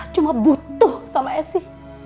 cuma butuh sama esi